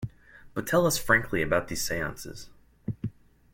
But tell us frankly about these seances.